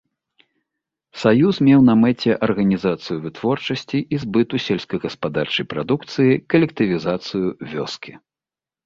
Саюз меў на мэце арганізацыю вытворчасці і збыту сельскагаспадарчай прадукцыі, калектывізацыю вёскі.